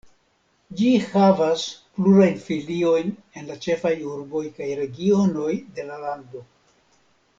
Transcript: Ĝi havas plurajn filiojn en la ĉefaj urboj kaj regionoj de la lando.